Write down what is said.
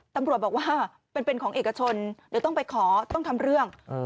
ตำรวจบอกว่าเป็นของเอกชนเดี๋ยวต้องไปขอต้องทำเรื่อง